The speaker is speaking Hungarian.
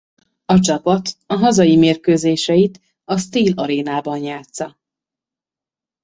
A csapat a hazai mérkőzéseit a Steel Arenában játssza.